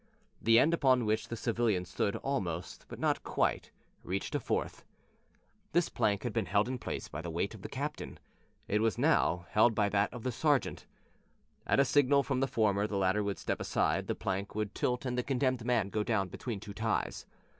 The end upon which the civilian stood almost, but not quite, reached a fourth. This plank had been held in place by the weight of the captain; it was now held by that of the sergeant. At a signal from the former the latter would step aside, the plank would tilt and the condemned man go down between two ties.